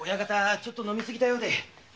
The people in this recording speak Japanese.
ちょっと飲みすぎたようで。